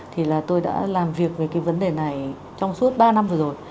thì là tôi đã làm việc về cái vấn đề này trong suốt ba năm vừa rồi